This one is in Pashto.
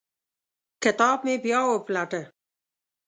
کتاب مې بیا وپلټه.